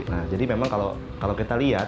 nah jadi memang kalau kita lihat